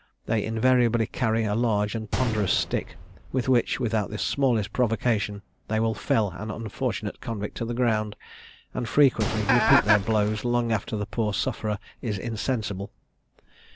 They invariably carry a large and ponderous stick, with which, without the smallest provocation, they will fell an unfortunate convict to the ground, and frequently repeat their blows long after the poor sufferer is insensible.